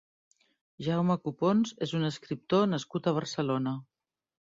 Jaume Copons és un escriptor nascut a Barcelona.